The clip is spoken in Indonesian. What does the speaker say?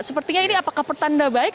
sepertinya ini apakah pertanda baik